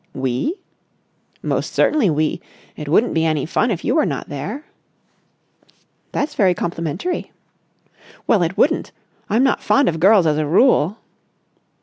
"We?" "Most certainly we. It wouldn't be any fun if you were not there." "That's very complimentary." "Well, it wouldn't. I'm not fond of girls as a rule...."